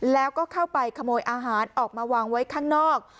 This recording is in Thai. แล้วก็เข้าไปขโมยอาหารออกมาวางไว้ข้างนอก